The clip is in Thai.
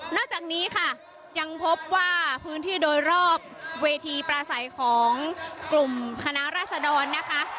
จากนี้ค่ะยังพบว่าพื้นที่โดยรอบเวทีประสัยของกลุ่มคณะราษดรนะคะ